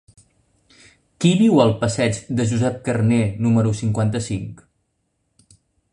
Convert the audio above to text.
Qui viu al passeig de Josep Carner número cinquanta-cinc?